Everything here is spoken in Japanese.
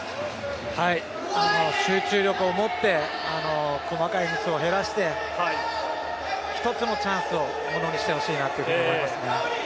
集中力を持って細かいミスを減らして一つのチャンスを物にしてほしいなと思います。